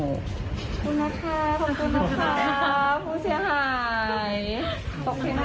ขอบคุณนะคะขอบคุณนะคะผู้เชี่ยงหาย